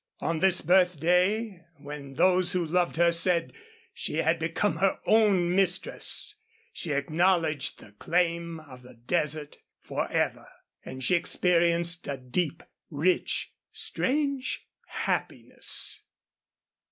On this birthday, when those who loved her said she had become her own mistress, she acknowledged the claim of the desert forever. And she experienced a deep, rich, strange happiness.